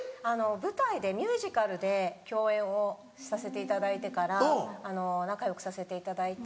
舞台でミュージカルで共演をさせていただいてから仲良くさせていただいて。